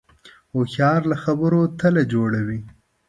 هوښیار له خبرو تله جوړوي